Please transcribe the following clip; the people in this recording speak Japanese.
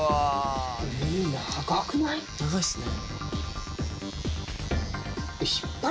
長いっすね。